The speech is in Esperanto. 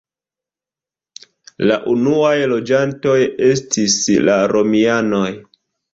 La unuaj loĝantoj estis la romianoj.